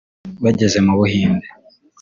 Bageze mu Buhinde